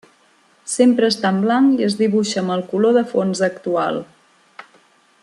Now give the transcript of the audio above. Sempre està en blanc i es dibuixa amb el color de fons actual.